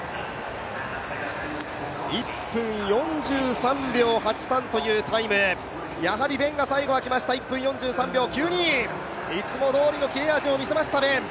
１分４３秒８３というタイム、やはりベンが来ました、１分４３秒９２いつもどおりの切れ味を見せました、ベン。